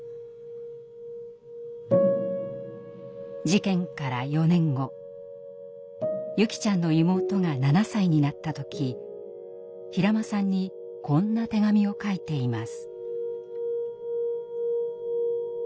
事件から４年後優希ちゃんの妹が７歳になった時平間さんにこんな手紙を書いています。